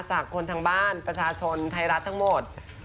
จากคนทางบ้านประชาชนไทยรัฐทั้งหมด